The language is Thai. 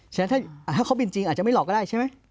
ฉะนั้นถ้าเขาบินจริงอาจจะไม่หลอกก็ได้ใช่ไหม